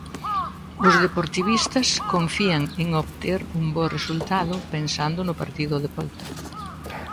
Os deportivistas confían en obter un bo resultado pensando no partido de volta.